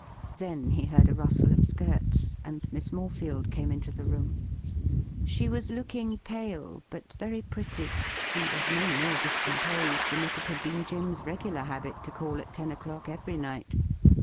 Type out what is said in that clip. Then he heard a rustle of skirts, and Miss Morefield came into the room. She was looking pale, but very pretty, and was no more discomposed than if it had been Jim's riegular habit to call at ten o'clock every night.